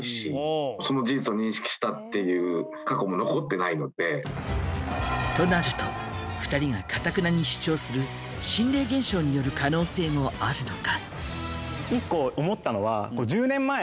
ない？となると２人がかたくなに主張する心霊現象による可能性もあるのか？